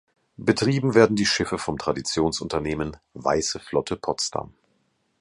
Betrieben werden die Schiffe vom Traditionsunternehmen Weisse Flotte Potsdam.